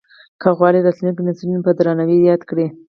که غواړې راتلونکي نسلونه مو په درناوي ياد کړي.